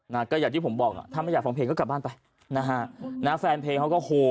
นะก็อย่างที่ผมบอกอ่ะถ้าไม่อยากฟังเพลงก็กลับบ้านไปนะฮะนะแฟนเพลงเขาก็โห